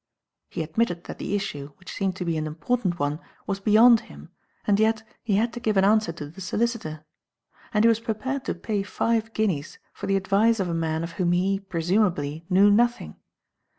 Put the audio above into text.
He admitted that the issue, which seemed to be an important one, was beyond him, and yet he had to give an answer to the solicitor. And he was prepared to pay five guineas for the advice of a man of whom he presumably knew nothing.